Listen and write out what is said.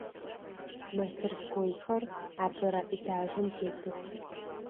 Мастерскойхэр апэрэ этажым тетых.